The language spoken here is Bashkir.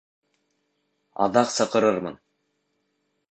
Аҙаҡ саҡырырмын.